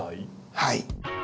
はい。